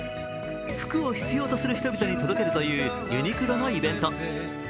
服を必要とする人々に届けるというユニクロのイベント。